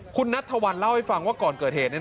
คุณนัทธวัลเล่าให้ฟังว่าก่อนเกิดเหตุ